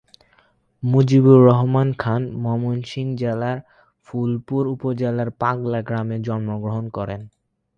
মুজিবুর রহমান খান ময়মনসিংহ জেলার ফুলপুর উপজেলার পাগলা গ্রামে জন্মগ্রহণ করেন।